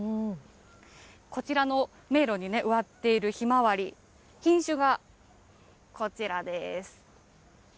こちらの迷路に植わっているヒマワリ、品種がこちらです。